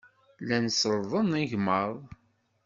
Llan sellḍen igmaḍ.